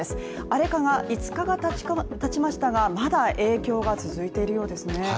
あれから５日がたちましたがまだ影響が続いているようですね。